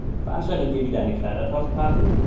Veranstaltet ihr wieder eine Kleidertauschparty?